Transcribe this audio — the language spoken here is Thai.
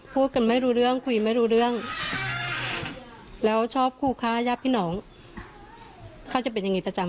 พี่ก็เลยคิดว่าพี่คงยู้ว่าเข้ามาได้แล้ว